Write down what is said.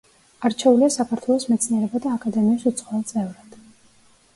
არჩეულია საქართველოს მეცნიერებათა აკადემიის უცხოელ წევრად.